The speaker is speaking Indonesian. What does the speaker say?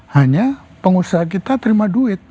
hanya pengusaha kita terima duit